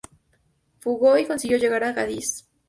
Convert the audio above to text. Fugó y consiguió llegar a Cádiz.